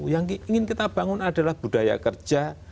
yang ingin kita bangun adalah budaya kerja